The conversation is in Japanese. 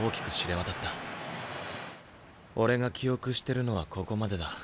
俺が記憶してるのはここまでだ。